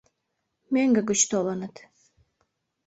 Мӧҥгӧ гыч толыныт.